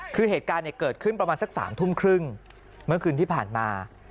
คือเหตุการณ์เกิดขึ้นประมาณสัก๓ทุ่มครึ่งเมื่อคืนที่ผ่านมา